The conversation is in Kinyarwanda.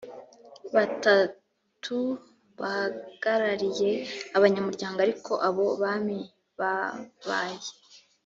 batatu bahagarariye abanyamuryango ariko abo bami babaye